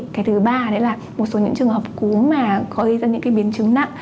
cái thứ ba là một số những trường hợp cúm mà gây ra những biến chứng nặng